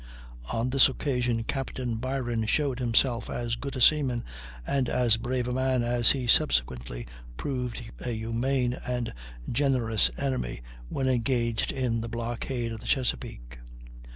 On this occasion Captain Byron showed himself as good a seaman and as brave a man as he subsequently proved a humane and generous enemy when engaged in the blockade of the Chesapeake.